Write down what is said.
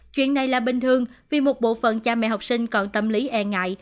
chuyện này là bình thường vì một bộ phận cha mẹ học sinh còn tâm lý e ngại